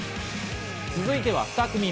続いては２組目。